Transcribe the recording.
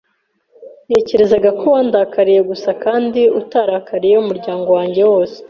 Natekerezaga ko wandakariye gusa kandi utarakariye umuryango wanjye wose.